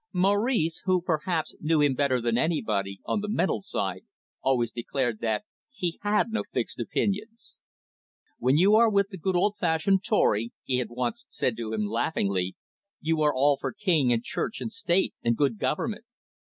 Maurice who, perhaps, knew him better than anybody, on the mental side, always declared that he had no fixed opinions. "When you are with the good old fashioned Tory," he had said once to him laughingly, "you are all for King and Church and State and good Government.